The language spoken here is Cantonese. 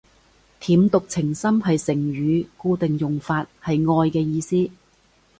舐犢情深係成語，固定用法，係愛嘅意思